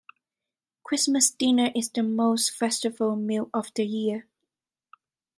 Christmas dinner is the most festive meal of the year.